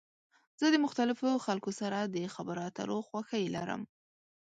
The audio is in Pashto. زه د مختلفو خلکو سره د خبرو اترو خوښی لرم.